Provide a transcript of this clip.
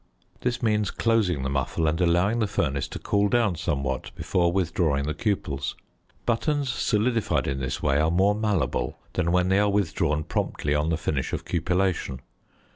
This means closing the muffle and allowing the furnace to cool down somewhat before withdrawing the cupels. Buttons solidified in this way are more malleable than when they are withdrawn promptly on the finish of the cupellation.